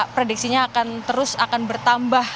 prediksinya akan terus akan bertambah